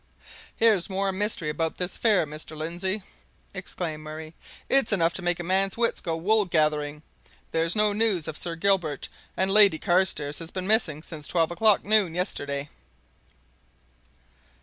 "Here's more mystery about this affair, Mr. Lindsey!" exclaimed Murray. "It's enough to make a man's wits go wool gathering. There's no news of Sir Gilbert, and Lady Carstairs has been missing since twelve o'clock noon yesterday!"